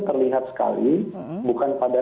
terlihat sekali bukan pada